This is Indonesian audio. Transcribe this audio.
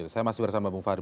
saya masih bersama bung fahri